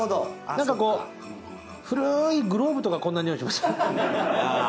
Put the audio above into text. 何かこう古いグローブとかこんな臭いしません？